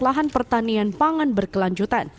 lahan pertanian pangan berkelanjutan